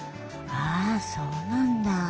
ああそうなんだ。